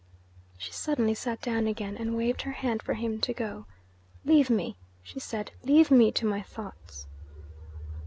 She suddenly sat down again, and waved her hand for him to go. 'Leave me,' she said. 'Leave me to my thoughts.'